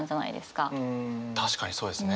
確かにそうですね。